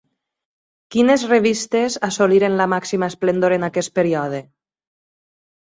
Quines revistes assoliren la màxima esplendor en aquest període?